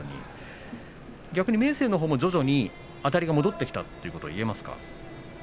明生のほうもあたりが戻ってきたということ言えますか？